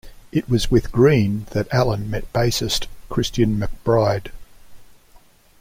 It was with Green that Allen met bassist Christian McBride.